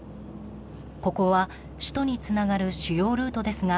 ここは、首都につながる主要ルートですが